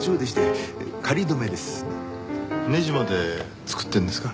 ネジまで作ってるんですか？